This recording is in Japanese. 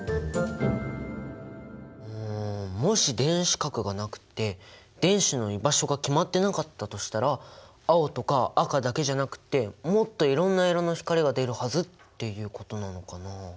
うんもし電子殻がなくって電子の居場所が決まってなかったとしたら青とか赤だけじゃなくってもっといろんな色の光が出るはずっていうことなのかな？